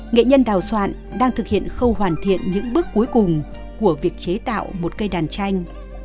nghệ nhân đào soạn đang thực hiện khâu hoàn thiện những bước cuối cùng của việc chế tạo một cây đàn tranh